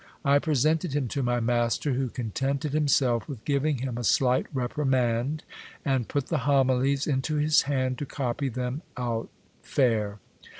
I presented him to my master, who contented himself with giving him a slight reprimand, and put the homilies into his hand, to copy them out fair.